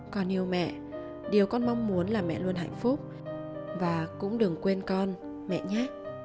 con yêu mẹ điều con mong muốn là mẹ luôn hạnh phúc và cũng đừng quên con mẹ nhé